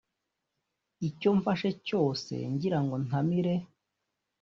icyo mfashe cyose ngirango ntamire